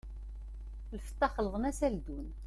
Lfeṭṭa xelḍen-as aldun!